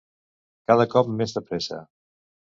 Cada cop més de pressa.